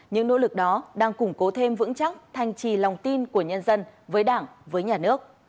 những nỗ lực đó đang củng cố thêm vững chắc thanh trì lòng tin của nhân dân với đảng với nhà nước